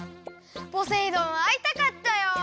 ポセイ丼あいたかったよ！